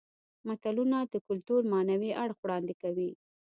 متلونه د کولتور معنوي اړخ وړاندې کوي